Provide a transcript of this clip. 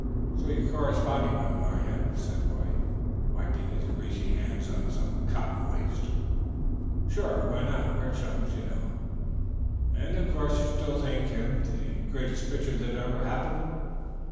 "So you're corresponding with him, are you?" said Roy, wiping his greasy hands on some cotton waste. "Sure. Why not? We were chums, you know." "And of course you still think him the greatest pitcher that ever happened?"